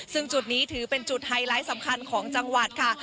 ซึ่งจุดนี้ถือเป็นจุดไฮไลท์สำคัญของจังหวัดค่ะ